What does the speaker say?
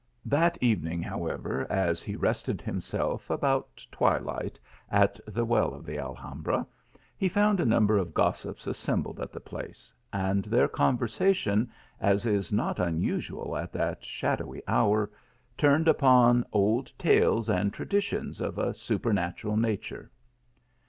That evening, however, as he rested himself about twilight at the well of the Alhambra, he found a number of gossips assembled at the place, and their conversation, as is not unusual at that shadowy hour, turned upon old tales and traditions of a su n natural nature.